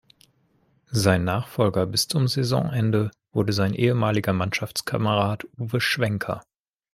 Sein Nachfolger bis zum Saisonende wurde sein ehemaliger Mannschaftskamerad Uwe Schwenker.